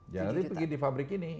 jadi pergi di fabrik ini